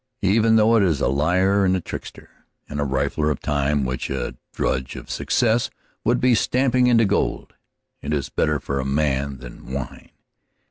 Even though it is a liar and a trickster, and a rifler of time which a drudge of success would be stamping into gold, it is better for a man than wine.